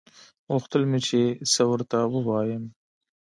غوښتل مې چې څه ورته ووايم.